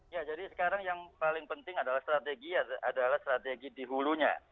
ya jadi sekarang yang paling penting adalah strategi adalah strategi di hulunya